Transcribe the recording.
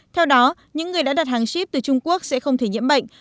theo đó những người đã đặt hàng ship từ trung quốc sẽ không thể nhiễm bệnh